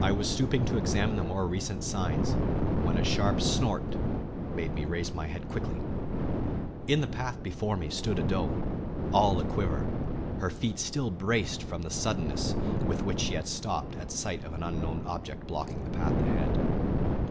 I was stooping to examine the more recent signs, when a sharp snort made me raise my head quickly. In the path before me stood a doe, all a quiver, her feet still braced from the suddenness with which she had stopped at sight of an unknown object blocking the path ahead.